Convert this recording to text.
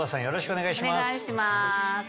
よろしくお願いします。